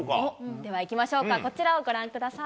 ではいきましょうか。